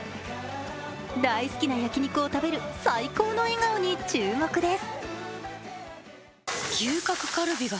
大好きな焼き肉を食べる最高の笑顔に注目です。